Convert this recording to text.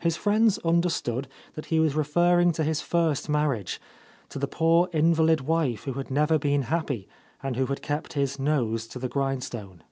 His friends understood that he was referring to his first marriage, to the poor invalid wife who had never been happy and who had kept his nose to the grindstone.